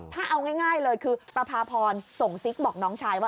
ถ้าเอาง่ายเลยคือประพาพรส่งซิกบอกน้องชายว่า